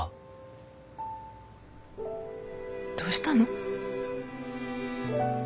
どうしたの？